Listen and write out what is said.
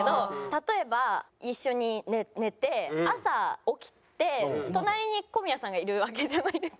例えば一緒に寝て朝起きて隣に小宮さんがいるわけじゃないですか。